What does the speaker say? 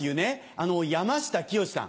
あの山下清さん。